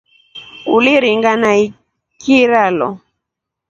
Uliringa na ikira lo.